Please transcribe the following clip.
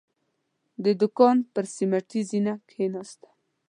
د دوکان پر سيميټي زينه کېناسته.